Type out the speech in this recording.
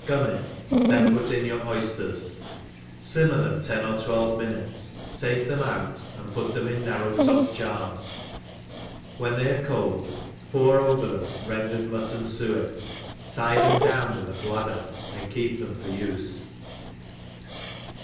minutes^ fcam it, then put in yoar oyAttsi fimmer them ten or twelve minutes, take themf oxit^ and put them in narrow topped jars; when; they are cold, pour over them rendered muttoni fuet, tie them down with a bUdder^ and keep them for ufe